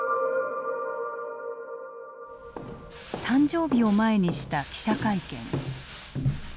誕生日を前にした記者会見。